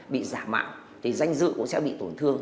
bị giả mạo thì danh dự cũng sẽ bị tổn thương